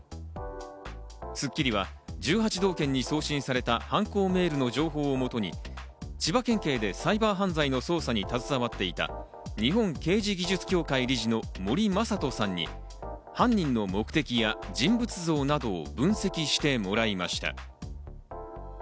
『スッキリ』は１８道県に送信された犯行メールの情報をもとに、千葉県警でサイバー犯罪の捜査に携わっていた日本刑事技術協会理事の森雅人さんに犯人の目的や人物像などを分析してもらいました。